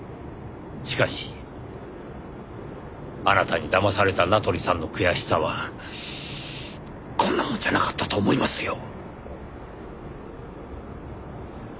しかしあなたに騙された名取さんの悔しさはこんなものじゃなかったと思いますよ！！